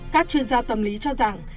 các chuyên gia tâm lý cho rằng